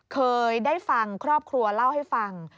เคยได้ฟังครอบครัวเล่าให้ฟัง